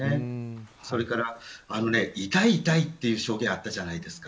それから、痛い痛いという証言があったじゃないですか。